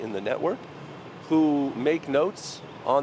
cho nên thành phố có quyền tự dụng